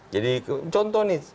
jadi contoh nih